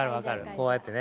こうやってね。